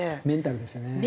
メンタルですよね。